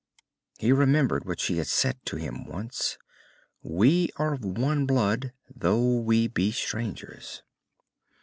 He remembered what she had said to him once _We are of one blood, though we be strangers.